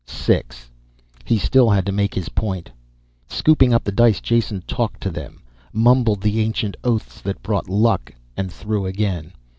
Six. He still had to make his point. Scooping up the dice Jason talked to them, mumbled the ancient oaths that brought luck and threw again.